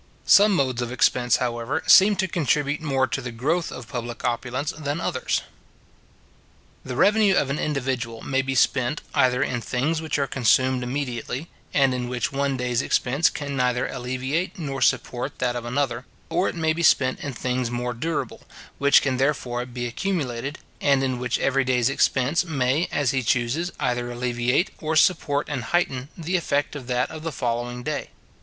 Some modes of expense, however, seem to contribute more to the growth of public opulence than others. The revenue of an individual may be spent, either in things which are consumed immediately, and in which one day's expense can neither alleviate nor support that of another; or it may be spent in things mere durable, which can therefore be accumulated, and in which every day's expense may, as he chooses, either alleviate, or support and heighten, the effect of that of the following day.